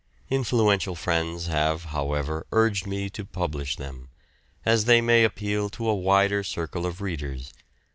Influential friends have, however, urged me to publish them, as they may appeal to a wider circle of readers.